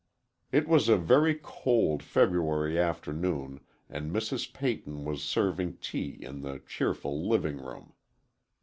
It was a very cold February afternoon, and Mrs. Peyton was serving tea in the cheerful living room.